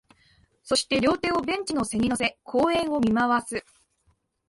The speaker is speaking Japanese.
そして、両手をベンチの背に乗せ、公園を見回す